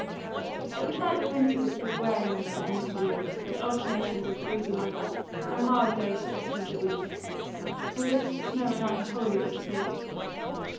It was like the winter which was wearing on to the end of the year, with alternations of freezing weather, and mild days stretching to weeks, in which the snow and ice wholly disappeared.